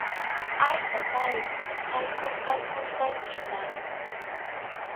A, papáy, saykʼurqusqankitaq.